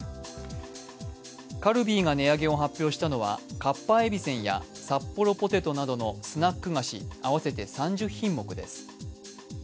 カルビーが値上げを発表したのはかっぱえびせんやサッポロポテトなどスナック菓子合わせて３０品目です。